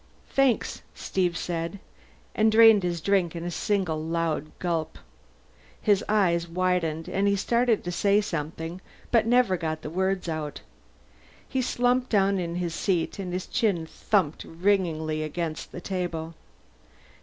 "Thanks," Steve said, and drained his drink in a single loud gulp. His eyes widened; he started to say something, but never got the words out. He slumped down in his seat and his chin thumped ringingly against the table.